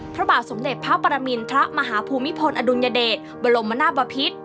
พระบาทสมเด็จพระปรมินทรมาฮภูมิพลอดุลยเดชบรมนาศบพิษ